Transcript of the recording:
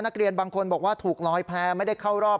นักเรียนบางคนบอกว่าถูกลอยแผลไม่ได้เข้ารอบ